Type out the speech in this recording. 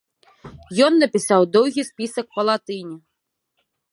Ён напісаў доўгі спісак па-латыні.